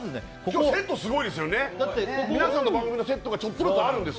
セットすごいですよね、皆さんの番組のセットがちょっとずつあるんです。